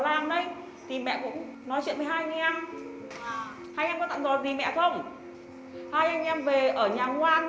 và làm đấy thì mẹ cũng nói chuyện với hai anh em